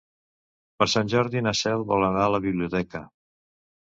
Per Sant Jordi na Cel vol anar a la biblioteca.